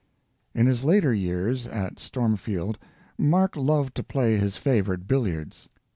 In his later years at Stormfield Mark loved to play his favorite billiards.